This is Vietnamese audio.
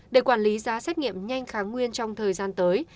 để quản lý giá xét nghiệm nhanh kháng nguyên trong thời gian tới